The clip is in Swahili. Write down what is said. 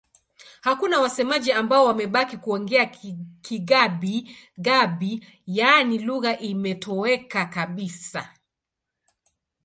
Hakuna wasemaji ambao wamebaki kuongea Kigabi-Gabi, yaani lugha imetoweka kabisa.